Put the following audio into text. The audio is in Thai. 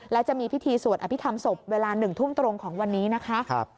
และจะมีพิธีสวดอภิษฐรรมศพเวลา๑ทุ่มตรงของวันนี้นะคะ